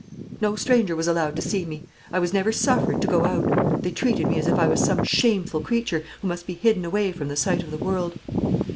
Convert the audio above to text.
"No stranger was allowed to see me. I was never suffered to go out. They treated me as if I was some shameful creature, who must be hidden away from the sight of the world.